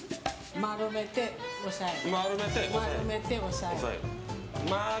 丸めて、押さえる！